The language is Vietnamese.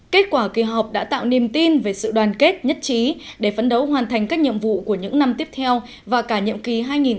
kết quả kỳ họp đã tạo niềm tin về sự đoàn kết nhất trí để phấn đấu hoàn thành các nhiệm vụ của những năm tiếp theo và cả nhiệm kỳ hai nghìn một mươi năm hai nghìn hai mươi